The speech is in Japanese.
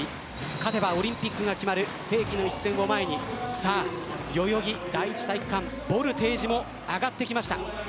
勝てばオリンピックが決まる世紀の一戦を前にさあ代々木第一体育館ボルテージも上がってきました。